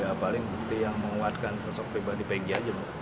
ya paling bukti yang menguatkan sosok riba di pg aja maksudnya